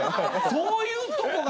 そういうとこが。